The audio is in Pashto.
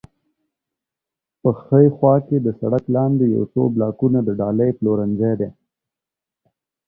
په ښي خوا کې د سړک لاندې یو څو بلاکونه د ډالۍ پلورنځی دی.